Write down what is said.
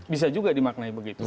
bisa juga dimaknai begitu